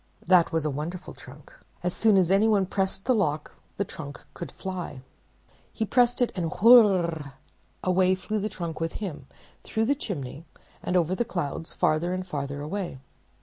That was a wonderful trunk. So soon as any one pressed the lock the trunk could fly. He pressed it, and whirr! away flew the trunk with him through the chimney and over the clouds farther and farther away.